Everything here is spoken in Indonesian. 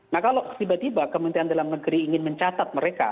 nah kalau tiba tiba kementerian dalam negeri ingin mencatat mereka